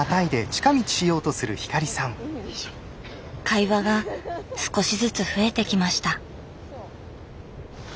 会話が少しずつ増えてきました。